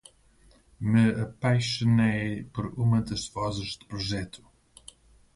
Me apaixonei por uma das vozes do projeto